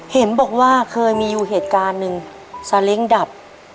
เห็นบอกว่าเคยมีอยู่เหตุการณ์หนึ่งซาเล้งดับ